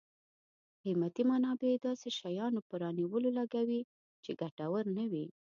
قیمتي منابع داسې شیانو په رانیولو لګوي چې ګټور نه وي.